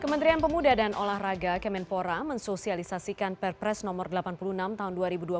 kementerian pemuda dan olahraga kemenpora mensosialisasikan perpres nomor delapan puluh enam tahun